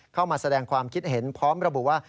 เข้ามาแสดงความคิดเห็นพร้อมระบุว่า